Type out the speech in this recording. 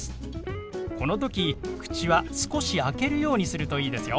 この時口は少し開けるようにするといいですよ。